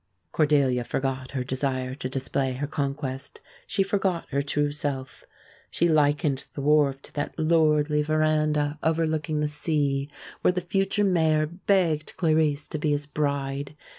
Cordelia forgot her desire to display her conquest. She forgot her true self. She likened the wharf to that "lordly veranda overlooking the sea," where the future Mayor begged Clarice to be his bride.